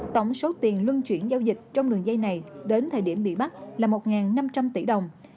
tổng số tiền luân chuyển giao dịch trong đường dây này đến thời điểm bị bắt là một năm trăm linh tỷ đồng